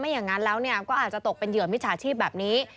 อย่างนั้นแล้วก็อาจจะตกเป็นเหยื่อมิจฉาชีพแบบนี้